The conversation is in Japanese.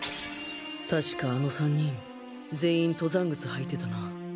確かあの３人全員登山靴履いてたな